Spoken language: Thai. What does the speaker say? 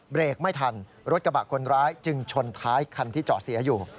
เบรกไม่ทันรถกระบะคนร้ายจึงชนท้ายคันที่จอดเสียอยู่